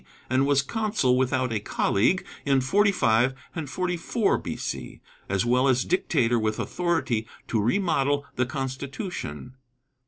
and was consul without a colleague in 45 and 44 B.C., as well as dictator with authority to remodel the Constitution.